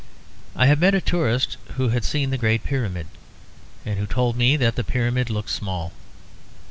I have met a tourist who had seen the great Pyramid, and who told me that the Pyramid looked small.